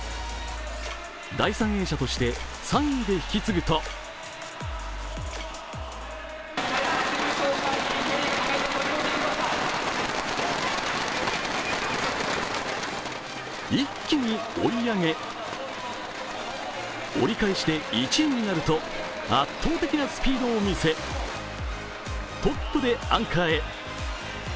第３泳者として３位で引き継ぐと一気に追い上げ折り返しで１位になると、圧倒的なスピードを見せトップでアンカーへ。